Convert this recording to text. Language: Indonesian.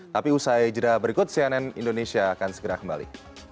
tapi usai jeda berikut cnn indonesia akan segera kembali